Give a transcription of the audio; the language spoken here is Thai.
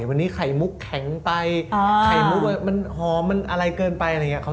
วันนี้ไข่มุกแข็งไปไข่มุกมันฮอมอะไรเกินไป